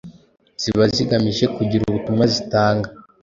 ziba zigamije kugira ubutumwa zitanga